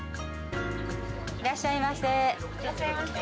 いらっしゃいませ。